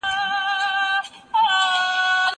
ايا ته ونې ته اوبه ورکوې.